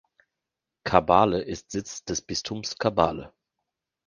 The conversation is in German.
Kabale ist Sitz des Bistums Kabale.